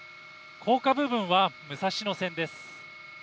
高架部分は武蔵野線です。